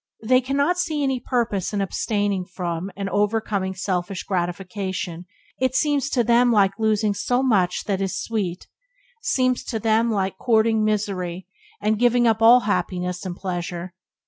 They cannot see any purpose in abstaining from and overcoming selfish gratification, it seems to them like losing so much that is sweet; seems to them like courting misery, and giving up all happiness and pleasure.